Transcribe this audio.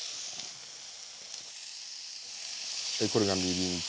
これがみりんと。